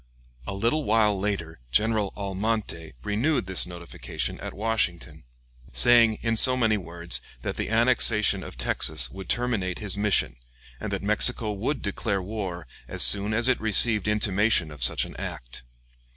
A little while later General Almonte renewed this notification at Washington, saying in so many words that the annexation of Texas would terminate his mission, and that Mexico would declare war as soon as it received intimation of such an act.